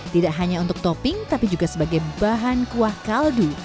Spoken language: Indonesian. tidak hanya untuk topping tapi juga sebagai bahan kuah kaldu